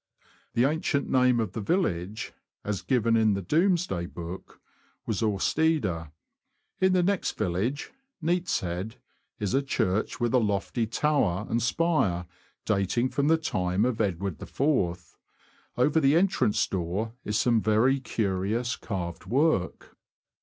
The ancient name of the village, as given in Doomsday Book, was Orsteada. In the next village (Neatishead) is a church, with a lofty tower and spire, dating from the time of Edward IV. ; over the entrance door is some very curious carved work.